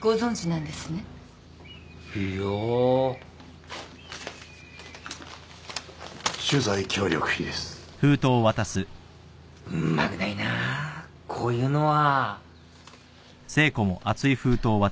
んまぐないなこういうのは。